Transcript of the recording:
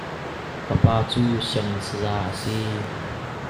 Ka pa cu sianginn saya a si.